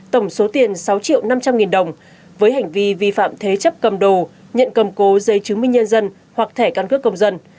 tổng số tiền sáu triệu năm trăm linh nghìn đồng với hành vi vi phạm thế chấp cầm đồ nhận cầm cố giấy chứng minh nhân dân hoặc thẻ căn cước công dân